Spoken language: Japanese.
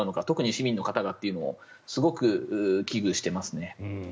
特に市民の方がというのをすごく危惧していますね。